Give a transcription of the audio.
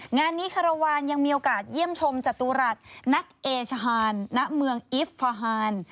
งานนี้คารวาลยังมีโอกาสเยี่ยมชมจตุรัสนักเอชฮานณเมืองอิฟฟาฮาน